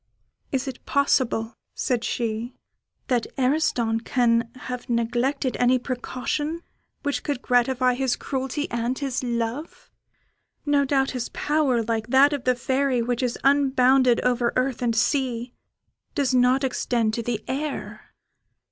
"Is it possible," said she, "that Ariston can have neglected any precaution which could gratify his cruelty and his love? No doubt his power, like that of the Fairy, which is unbounded over earth and sea, does not extend to the air."